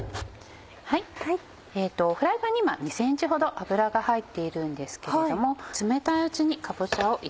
フライパンに今２ｃｍほど油が入っているんですけれども。